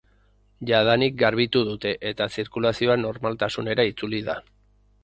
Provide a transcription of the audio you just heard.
Jadanik garbitu dute eta zirkulazioa normaltasunera itzuli da.